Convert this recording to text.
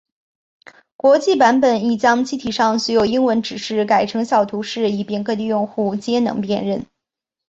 国际版本亦将机体上所有英文指示改成小图示以便各地用户皆能辨认。